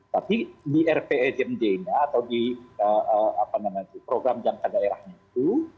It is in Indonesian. tapi di rpsmj nya atau di program jangka daerahnya itu